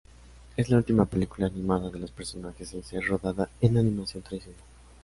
Es la última película animada de los personajes en ser rodada en animación tradicional.